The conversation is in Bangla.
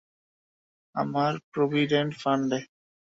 আমার প্রভিডেন্ট ফান্ডে!